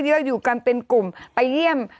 อยู่กันเป็นกลุ่มไปเยี่ยม